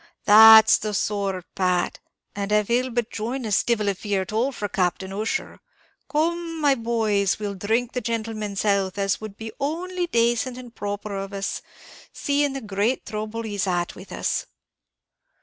"That's the sort, Pat! and av he'll but join us, divil a fear at all for Captain Ussher. Come, my boys, we'll dhrink the gentleman's health, as would be only dacent and proper of us, seeing the great throuble he's at with us."